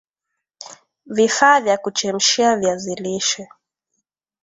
vifaa vya kuchemshia viazi lishe